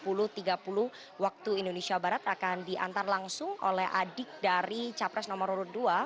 pilpres dua ribu sembilan belas pada pukul dua puluh tiga puluh waktu indonesia barat akan diantar langsung oleh adik dari capres nomor dua